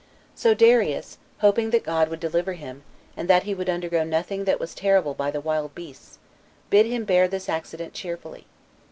So Darius, hoping that God would deliver him, and that he would undergo nothing that was terrible by the wild beasts, bid him bear this accident cheerfully.